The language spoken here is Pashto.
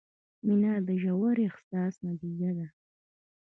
• مینه د ژور احساس نتیجه ده.